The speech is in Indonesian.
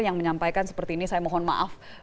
yang menyampaikan seperti ini saya mohon maaf